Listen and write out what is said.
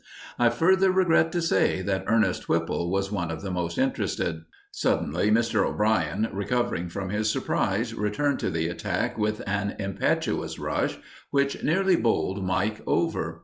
I further regret to say that Ernest Whipple was one of the most interested. Suddenly Mr. O'Brien, recovering from his surprise, returned to the attack with an impetuous rush which nearly bowled Mike over.